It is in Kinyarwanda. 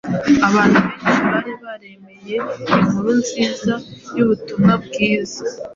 Abantu benshi bari baremeye inkuru nziza y’ubutumwa bwiza